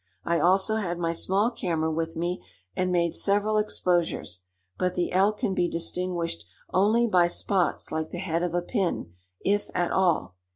I also had my small camera with me, and made several exposures; but the elk can be distinguished only by spots like the head of a pin, if at all.